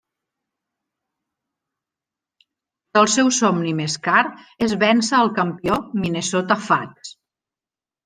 Però el seu somni més car és vèncer el campió Minnesota Fats.